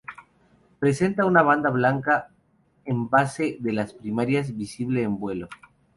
Presenta una banda blanca en base de las primarias, visible en vuelo.